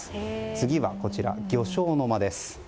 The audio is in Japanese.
次は、漁礁の間です。